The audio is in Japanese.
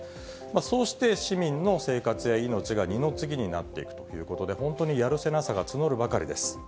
そして市民の生活や命が二の次になっていくということで、本当にやるせなさが募るばかりです。